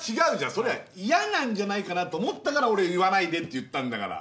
それは嫌なんじゃないかなと思ったから俺は「言わないで」って言ったんだから！